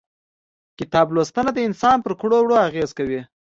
کتاب لوستنه د انسان پر کړو وړو اغيزه کوي.